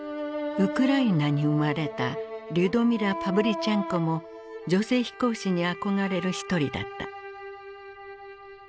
ウクライナに生まれたリュドミラ・パヴリチェンコも女性飛行士に憧れる一人だった。